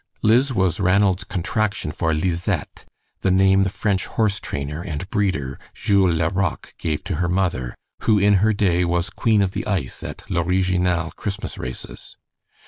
Liz was Ranald's contraction for Lizette, the name of the French horse trainer and breeder, Jules La Rocque, gave to her mother, who in her day was queen of the ice at L'Original Christmas races.